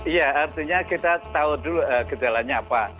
iya artinya kita tahu dulu gejalanya apa